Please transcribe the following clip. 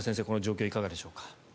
この状況はいかがでしょうか。